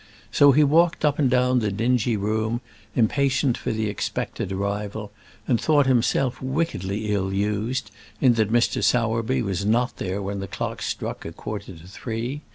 So he walked up and down the dingy room, impatient for the expected arrival, and thought himself wickedly ill used in that Mr. Sowerby was not there when the clock struck a quarter to three.